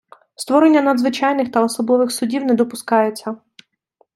Створення надзвичайних та особливих судів не допускається.